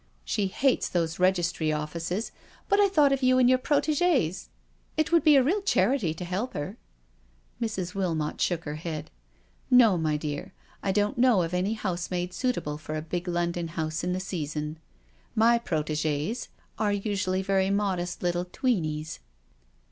She hates those registry offices — but I thought of you and your protigieshAt would be a real charity to help her.'^ Mrs. Wilmot shook her head: " No, my dear, I don't know of any housemaid suit able for a big London house in the season — ^my ' pro tdgdes ' are usually very modest little ' tweenies.'